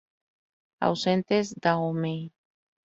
Ausentes: Dahomey.